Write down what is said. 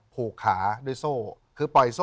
ผูกขาด้วยโซ่คือปล่อยโซ่